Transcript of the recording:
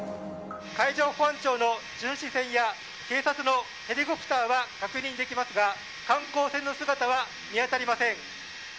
海上保安庁の巡視船や警察のヘリコプターは確認できますが、観光船の姿は見当たりません。